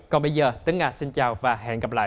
còn bây giờ tính nga xin chào và hẹn gặp lại